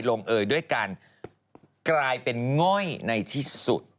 เอ่ยด้วยการกลายเป็นง่อยในที่สุด